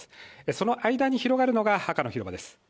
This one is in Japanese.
その間に広がるのが赤の広場です。